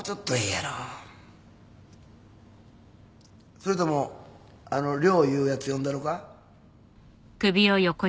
それともあの涼いうヤツ呼んだろか？